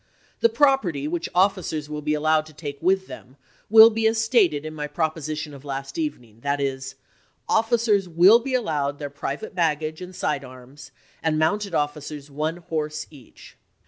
The property which offi cers will be allowed to take with them will be as stated in my proposition of last evening ; that is, officers will be allowed their private baggage and side arms, and mounted officers one horse each.